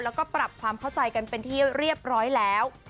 แล้วก็ปรับความเข้าใจกันเป็นที่เรียบร้อยแล้ว